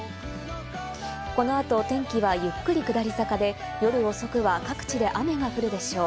このあと天気はゆっくり下り坂で、夜遅くは各地で雨が降るでしょう。